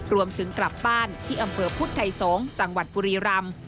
รวมถึงกลับบ้านที่อำเภอพุทธไทยสงศ์จังหวัดบุรีรำ